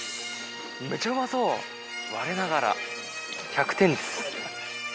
めちゃうまそうわれながら１００点です。